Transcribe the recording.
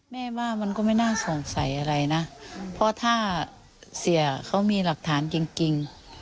แม่ว่ามันก็ไม่น่าสงสัยอะไรนะเพราะถ้าเสียเขามีหลักฐานจริง